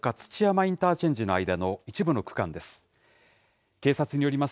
インターチェンジの間の一部の区間です。